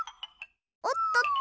おっとっと。